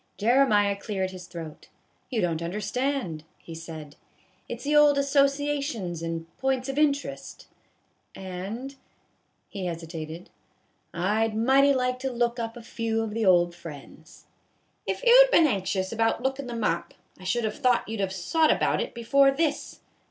Jeremiah cleared his throat. " You don't under stand," he said, " it 's the old associations and p'ints of interest ; and," he hesitated, " I 'd mighty like to look up a few of the old friends." " If you 'd been anxious about lookin' them up, I should have thought you 'd have sot about it before this.